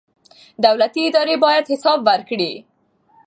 دولتي ادارې باید حساب ورکړي.